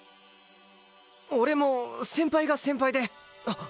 俺も先輩が先輩で。